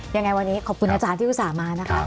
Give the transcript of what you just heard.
ยังไงวันนี้ขอบคุณอาจารย์ที่อุตส่าห์มานะคะ